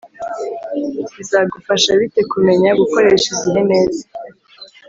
bizagufasha bite kumenya gukoresha igihe neza